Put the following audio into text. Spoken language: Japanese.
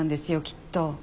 きっと。